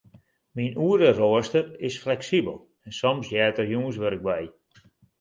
Myn oereroaster is fleksibel en soms heart der jûnswurk by.